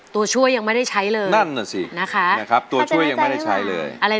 ตัวช่วยยังไม่ได้ใช้เลยนั่นสิตัวช่วยยังไม่ได้ใช้เลย